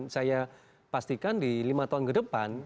saya pastikan di lima tahun ke depan